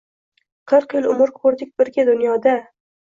Qirq yil umr ko’rdik birga dunyoda